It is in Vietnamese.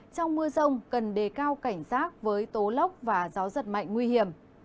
trong mưa rông cần đề cao cảnh giác với tố lốc và gió giật mạnh nguy hiểm